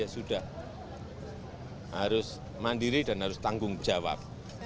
sudah harus mandiri dan harus tanggung jawab